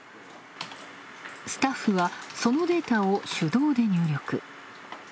スタッフはそのデータを手動で入力。